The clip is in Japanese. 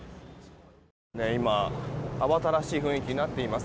今、慌ただしい雰囲気になっています。